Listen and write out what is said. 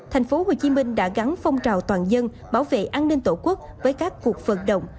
tp hcm đã gắn phong trào toàn dân bảo vệ an ninh tổ quốc với các cuộc vận động